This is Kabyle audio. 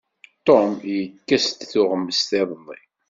Tum yekkes-d tuɣmest iḍelli.